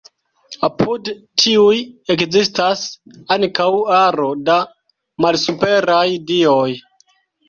Apud tiuj ekzistas ankaŭ aro da malsuperaj dioj.